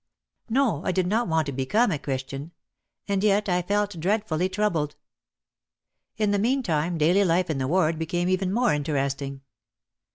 No, I did not want to "become a Christian." And yet I felt dreadfully troubled. In the meantime daily life in the ward became even more interesting.